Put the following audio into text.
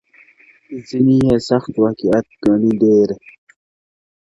ځيني يې سخت واقعيت ګڼي ډېر,